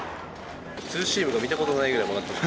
ツーシームが見たことないぐらい曲がっていた。